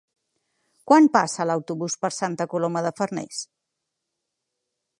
Quan passa l'autobús per Santa Coloma de Farners?